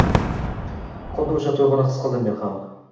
huddi o‘sha tuyg‘uni his qildim men ham.